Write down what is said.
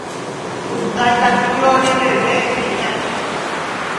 Ndaikatúirõ reveve, eñani